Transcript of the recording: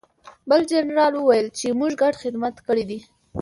بل جنرال وویل چې موږ ګډ خدمت کړی دی